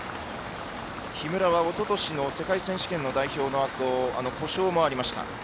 木村はおととしの世界選手権の代表のあと故障もありました。